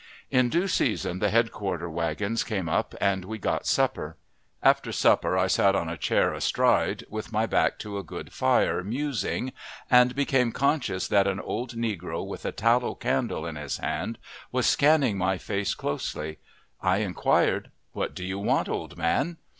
In due season the headquarter wagons came up, and we got supper. After supper I sat on a chair astride, with my back to a good fire, musing, and became conscious that an old negro, with a tallow candle in his hand, was scanning my face closely. I inquired, "What do you want, old man!"